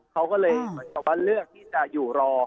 เขาก็เลยเรียกว่าเรื่องที่จะอยู่รอ